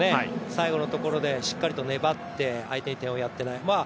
最後のところでしっかりと粘って、相手に点をやっていない。